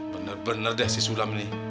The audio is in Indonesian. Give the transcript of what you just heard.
bener bener deh si sulam nih